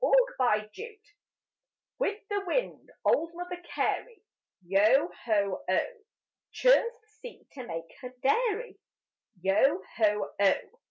MOTHER CAREY With the wind old Mother Carey, Yo ho oh! Churns the sea to make her dairy: Yo ho oh!